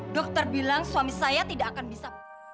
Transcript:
dokter bilang suami saya tidak akan bisa